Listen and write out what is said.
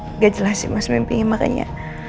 enggak jelas sih mas mimpinya makanya